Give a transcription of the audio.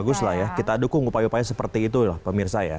bagus lah ya kita dukung upaya upaya seperti itu pemirsa ya